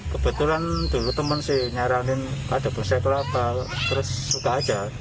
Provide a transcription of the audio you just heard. kebetulan dulu teman sih nyaranin ada bursa kelapa terus suka aja